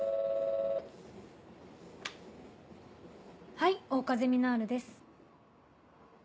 はい桜花ゼミナールです。